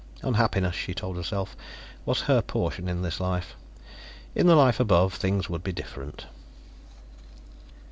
Unhappiness, she told herself, was her portion in this life; in the Life Above, things would be different.